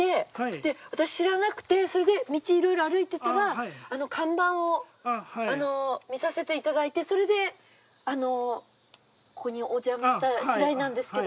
で私知らなくてそれで道いろいろ歩いてたら看板を見させていただいてそれでここにおじゃましたしだいなんですけども。